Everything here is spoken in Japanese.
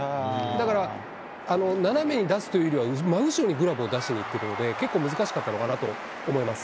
だから、斜めに出すというよりは、真後ろにグラブを出しにいくので、結構難しかったのかなと思います。